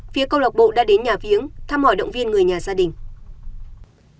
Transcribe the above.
phía câu lọc bộ đã đến nhà viếng thăm hỏi động viên người nhà gia đình